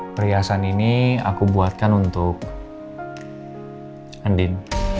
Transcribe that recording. perhiasan ini aku buatkan untuk andin